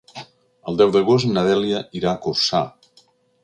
El deu d'agost na Dèlia irà a Corçà.